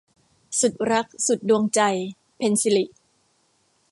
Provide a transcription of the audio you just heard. สุดรักสุดดวงใจ - เพ็ญศิริ